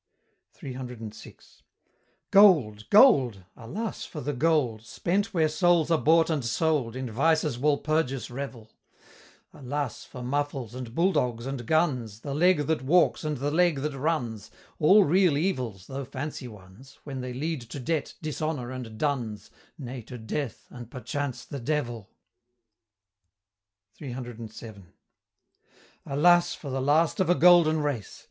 CCCVI. Gold, gold alas! for the gold Spent where souls are bought and sold, In Vice's Walpurgis revel! Alas! for muffles, and bulldogs, and guns, The leg that walks, and the leg that runs, All real evils, though Fancy ones, When they lead to debt, dishonor, and duns, Nay, to death, and perchance the devil! CCCVII. Alas! for the last of a Golden race!